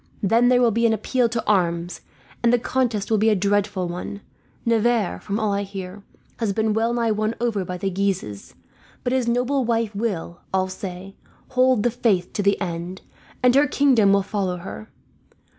Then there will be an appeal to arms, and the contest will be a dreadful one. Navarre, from all I hear, has been well nigh won over by the Guises; but his noble wife will, all say, hold the faith to the end, and her kingdom will follow her.